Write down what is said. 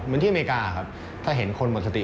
ที่อเมริกาครับถ้าเห็นคนหมดสติ